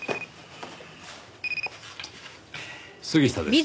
杉下です。